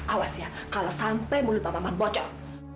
awas ya kalau sampai mulut pak maman bocor